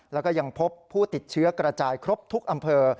แล้วก็ยังพบผู้ติดเชื้อกระจายครบทุกอำเภอ